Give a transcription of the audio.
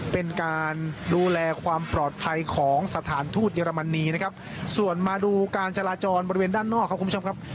เป็นการดูแลความปลอดภัยของสถานทูตเยอรมนีนะครับส่วนมาดูการจราจรบริเวณด้านนอกครับคุณผู้ชมครับ